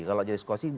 kalau jadi sekoci